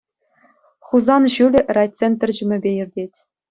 Хусан ҫулӗ райцентр ҫумӗпе иртет.